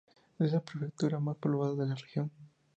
Es la prefectura más poblada de la Región.